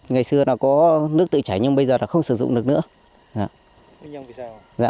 ngày xưa nó có nước tự chảy nhưng bây giờ là không sử dụng được nữa